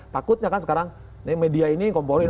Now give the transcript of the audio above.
takutnya kan sekarang media ini komporin